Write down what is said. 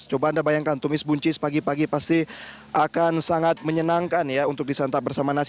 coba anda bayangkan tumis buncis pagi pagi pasti akan sangat menyenangkan ya untuk disantap bersama nasi